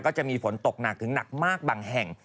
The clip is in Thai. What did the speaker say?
ก็จะมีฝนตกหนักถึงหนักมากบางแห่ง